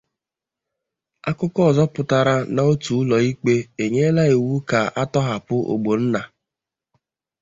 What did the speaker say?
akụkọ ọzọ pụtara na otu ụlọikpe enyela iwu ka a tọhapụ Ogbonna.